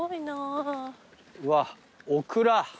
うわオクラ。